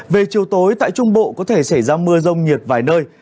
về chiều tối tại trung bộ có thể xảy ra mưa rông nhiệt vài nơi